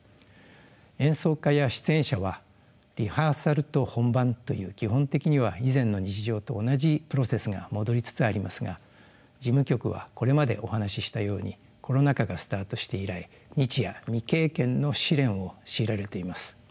演奏家や出演者はリハーサルと本番という基本的には以前の日常と同じプロセスが戻りつつありますが事務局はこれまでお話ししたようにコロナ禍がスタートして以来日夜未経験の試練を強いられています。